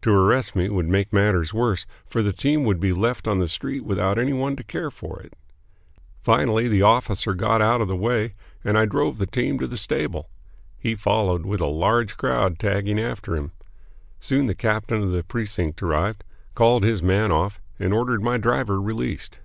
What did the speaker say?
To arrest me would make matters worse, for the team would be left on the street without any one to care for it. Finally the officer got out of the way, and I drove the team to the stable. He followed, with a large crowd tagging after him. Soon the captain of the precinct arrived, called his man off, and ordered my driver released.